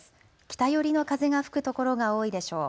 北寄りの風が吹くところが多いでしょう。